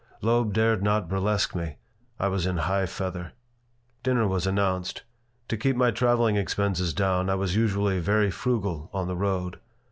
Loeb dared not burlesque me. I was in high feather Dinner was announced. To keep my traveling expenses down I was usually very frugal on the road.